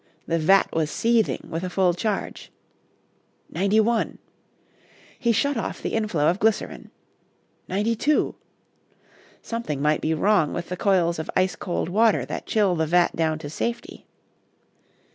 The vat was seething with a full charge. Ninety one! He shut off the inflow of glycerin. Ninety two! Something might be wrong with the coils of ice cold water that chill the vat down to safety.